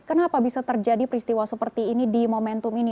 kenapa bisa terjadi peristiwa seperti ini di momentum ini